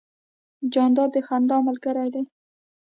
جانداد د خندا ملګری دی.